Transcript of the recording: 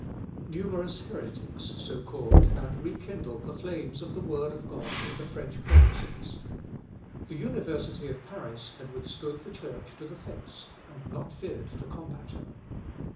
Numerous heretics, so called, had rekindled the flames of the word of God in the French provinces. The University of Paris had withstood the Church to the face, and not feared to combat her.